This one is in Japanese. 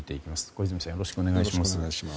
小泉さんよろしくお願いします。